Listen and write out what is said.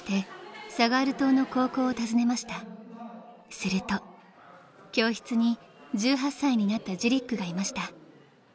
［すると教室に１８歳になったジリックがいました］